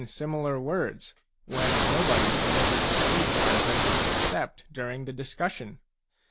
similar words, when nobody is ever deceived by them except during the discussion